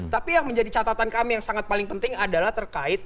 tapi yang menjadi catatan kami yang sangat paling penting adalah terkait